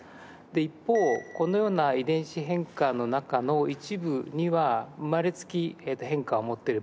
一方このような遺伝子変化の中の一部には生まれつき変化を持っている場合があると。